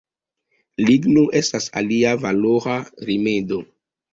Ligno estas alia valora rimedo.